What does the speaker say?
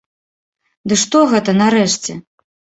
Ды што гэта, нарэшце?